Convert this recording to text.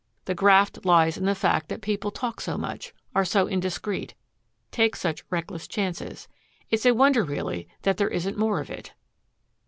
The graft lies in the fact that people talk so much, are so indiscreet, take such reckless chances. It's a wonder, really, that there isn't more of it."